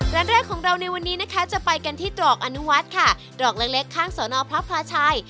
ร้านแรกของเราในวันนี้นะคะจะไปกันที่ตรอกอนุวัฒน์ค่ะตรอกเล็กเล็กข้างสอนอพระพลาชัย